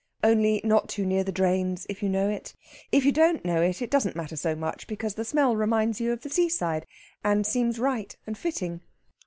Only not too near the drains, if you know it. If you don't know it, it doesn't matter so much, because the smell reminds you of the seaside, and seems right and fitting.